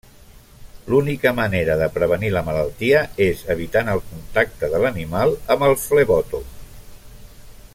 L'única manera de prevenir la malaltia és evitant el contacte de l'animal amb el flebòtom.